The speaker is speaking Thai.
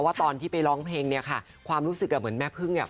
ตอนที่ไปร้องเพลงเนี่ยค่ะความรู้สึกอ่ะเหมือนแม่พึ่งเนี่ย